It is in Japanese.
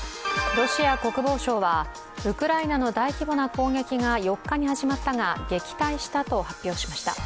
ロシア国防省はウクライナの大規模な攻撃が４日に始まったが、撃退したと発表しました。